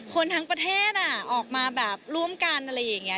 คนทั้งประเทศออกมาแบบร่วมกันอะไรอย่างนี้